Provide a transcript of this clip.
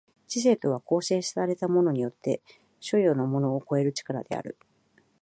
知性とは構成されたものによって所与のものを超える力である。